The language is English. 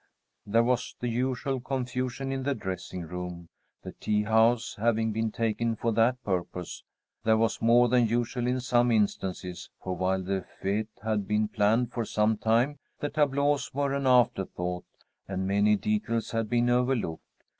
There was the usual confusion in the dressing room, the tea house having been taken for that purpose. There was more than usual in some instances, for while the fête had been planned for some time, the tableaux were an afterthought, and many details had been overlooked.